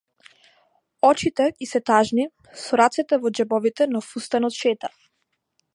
Очите ѝ се тажни, со рацете во џебовите на фустанот шета.